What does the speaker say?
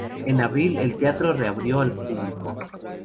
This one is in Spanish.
En abril, el teatro reabrió al público.